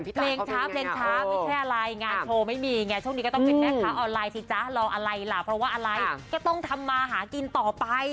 เพลงช้าเพลงช้าไม่ใช่อะไรงานโชว์ไม่มีไงช่วงนี้ก็ต้องเป็นแม่ค้าออนไลน์สิจ๊ะรออะไรล่ะเพราะว่าอะไรก็ต้องทำมาหากินต่อไป